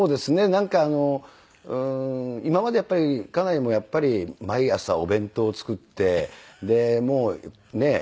なんか今まで家内もやっぱり毎朝お弁当を作ってでもうねえ